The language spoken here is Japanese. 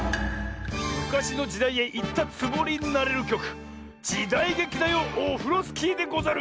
むかしのじだいへいったつもりになれるきょく「じだいげきだよオフロスキー」でござる。